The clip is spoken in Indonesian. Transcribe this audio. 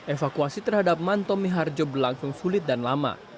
evakuasi terhadap mantomi harjo berlangsung sulit dan lama